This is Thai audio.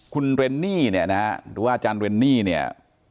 คุณเรนนี่เนี่ยนะฮะหรือว่าอาจารย์เรนนี่เนี่ย